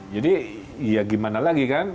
jadi ya gimana lagi kan